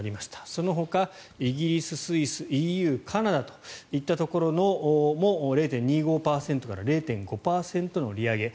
そのほかイギリス、スイスＥＵ、カナダといったところも０．２５％から０．５％の利上げ。